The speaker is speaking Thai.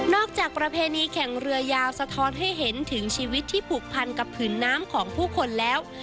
จากประเพณีแข่งเรือยาวสะท้อนให้เห็นถึงชีวิตที่ผูกพันกับผืนน้ำของผู้คนแล้ว